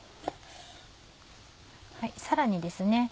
さらにですね